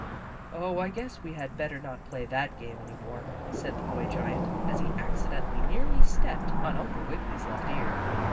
"Oh, I guess we had better not play that game any more," said the boy giant, as he accidentally nearly stepped on Uncle Wiggily's left ear.